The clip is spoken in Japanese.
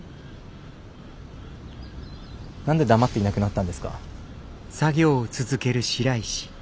何で黙っていなくなったんですか。